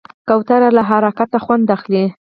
کوتره له حرکته خوند اخلي.